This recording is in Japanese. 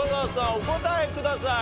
お答えください。